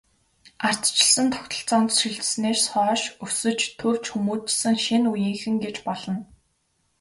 Ардчилсан тогтолцоонд шилжсэнээс хойш өсөж, төрж хүмүүжсэн шинэ үеийнхэн гэж болно.